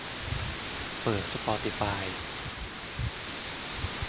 เปิดสปอติฟาย